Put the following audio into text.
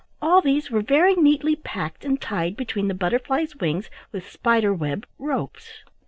All these were very neatly packed and tied between the butterflies' wings with spider web ropes.